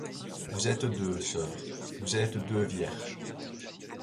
Vous êtes deux. soeurs, vous êtes deux vierges ;